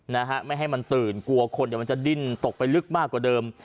นะฮะไม่ให้มันตื่นกลัวคนเดี๋ยวมันจะดิ้นตกไปลึกมากกว่าเดิม